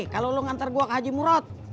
kalau lo ngantar gue ke haji murot